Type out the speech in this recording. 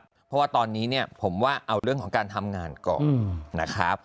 เพราะว่าตอนนี้เนี่ยผมว่าเอาเรื่องของการทำงานก่อนนะครับ